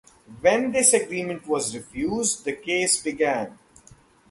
When this agreement was refused, the case began.